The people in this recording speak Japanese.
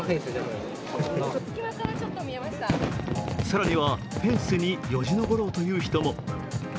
更にはフェンスによじ登ろうという人も。